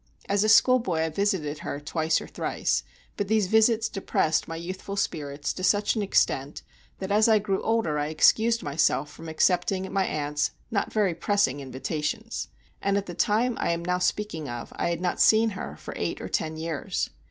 As a schoolboy I visited her twice or thrice, but these visits depressed my youthful spirits to such an extent, that as I grew older I excused myself from accepting my aunt's not very pressing invitations; and at the time I am now speaking of I had not seen her for eight or ten years.